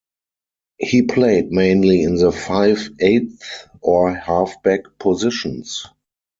He played mainly in the five-eighth or halfback positions.